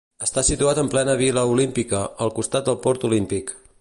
Està situat en plena Vila Olímpica, al costat del Port Olímpic.